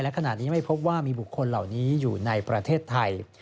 ขณะนี้ไม่พบว่ามีบุคคลเหล่านี้อยู่ในประเทศไทย